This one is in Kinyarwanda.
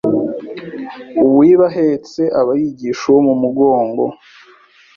Uwiba ahetse aba yigisha uwo mu mugongo